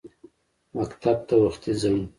مکتب ته وختي ځم.